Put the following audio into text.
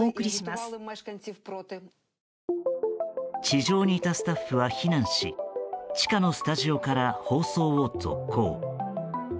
地上にいたスタッフは避難し地下のスタジオから放送を続行。